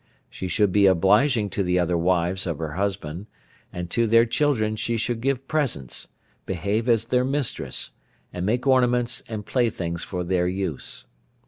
She should be obliging to the other wives of her husband, and to their children she should give presents, behave as their mistress, and make ornaments and play things for their use.